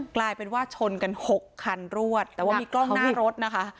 กลายเป็นว่าชนกันหกคันรวดแต่ว่ามีกล้องหน้ารถนะคะ